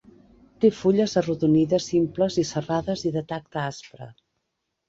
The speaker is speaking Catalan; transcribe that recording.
Té fulles arrodonides simples i serrades i de tacte aspre.